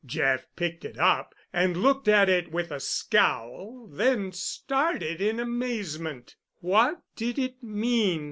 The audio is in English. Jeff picked it up and looked at it with a scowl, then started in amazement. What did it mean?